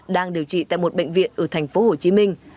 đang điều trị tại một bệnh viện ở thành phố hồ chí minh